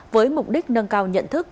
với mục đích nâng cao nhận thức